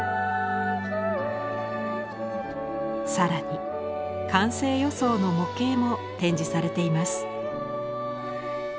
更に完成予想の模型も展示されています。